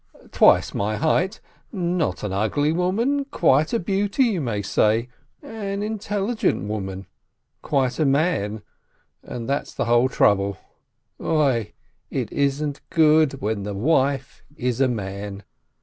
twice my height; not an ugly woman, quite a beauty, you may say; an intelligent woman, quite a man — and that's the whole trouble ! Oi, it isn't good when the wife is a man!